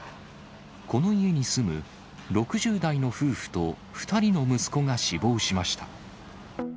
この家に住む、６０代の夫婦と２人の息子が死亡しました。